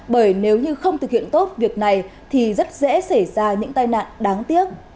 bởi nếu như không thực hiện tốt việc này thì rất dễ xảy ra những tai nạn đáng tiếc